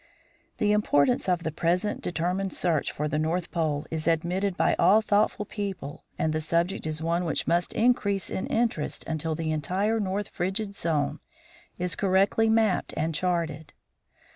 The importance of the present determined search for the North Pole is admitted by all thoughtful people, and the subject is one which must increase in interest until the entire North Frigid Zone is correctly mapped and charted.